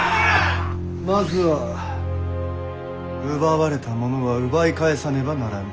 まずは奪われたものは奪い返さねばならぬ。